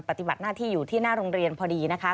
ปฏิบัติหน้าที่อยู่ที่หน้าโรงเรียนพอดีนะคะ